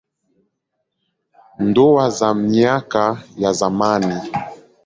Ndoa za miaka ya zamani.